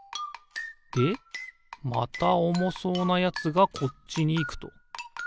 でまたおもそうなやつがこっちにいくと。